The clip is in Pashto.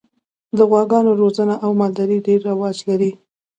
د غواګانو روزنه او مالداري ډېر رواج لري.